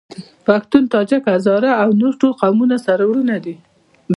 پښتون ، تاجک ، هزاره او نور ټول قومونه سره وروڼه دي.